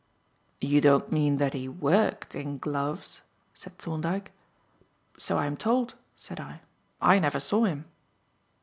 "You don't mean that he worked in gloves?" said Thorndyke. "So I am told," said I. "I never saw him."